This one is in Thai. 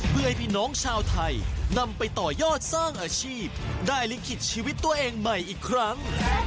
เพื่อให้พี่น้องชาวไทยนำไปต่อยอดสร้างอาชีพได้ลิขิตชีวิตตัวเองใหม่อีกครั้ง